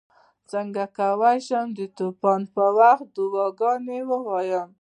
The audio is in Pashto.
څنګه کولی شم د طواف پر وخت دعاګانې ووایم